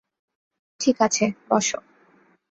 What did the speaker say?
ঠিক আছে, বস।